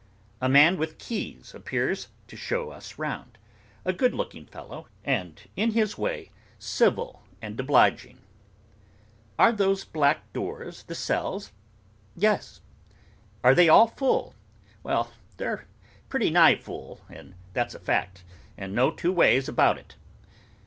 A man with keys appears, to show us round. A good looking fellow, and, in his way, civil and obliging. 'Are those black doors the cells?' 'Yes.' 'Are they all full?' 'Well, they're pretty nigh full, and that's a fact, and no two ways about it.